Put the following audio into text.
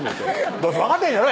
どうせ分かってへんねやろ